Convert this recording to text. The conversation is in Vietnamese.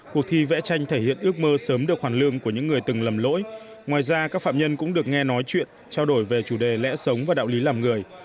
cuộc thi vẽ tranh thể hiện ước mơ sớm được hoàn lương của những người từng lầm lỗi ngoài ra các phạm nhân cũng được nghe nói chuyện trao đổi về chủ đề lẽ sống và đạo lý làm người